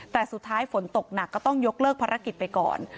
แต่สุดท้ายฝนตกหนักก็ต้องยกเลิกภารกิจไปก่อน